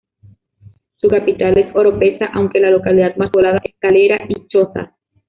Su capital es Oropesa aunque la localidad más poblada es Calera y Chozas.